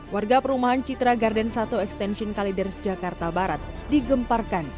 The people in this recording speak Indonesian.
warga perumahan citra garden satu extension kaliders jakarta barat digemparkan